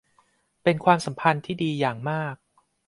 เป็นความสัมพันธ์ที่ดีอย่างมาก